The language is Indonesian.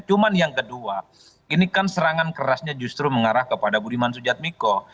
cuma yang kedua ini kan serangan kerasnya justru mengarah kepada budiman sujatmiko